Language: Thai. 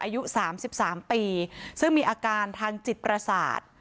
อายุสามสิบสามปีซึ่งมีอาการทางจิตประสาท